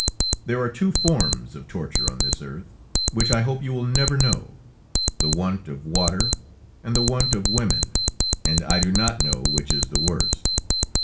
There are two forms of torture on this earth, which I hope you will never know: the want of water, and the want of women, and I do not know which is the worst.